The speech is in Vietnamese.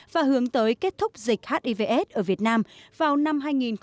và hướng tới kết thúc dịch hiv aids ở việt nam vào năm hai nghìn ba mươi